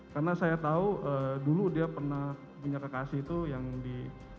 karena saya tahu dulu dia pernah punya kekasih itu yang di